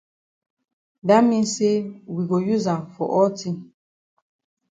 Dat mean say we go use am for all tin.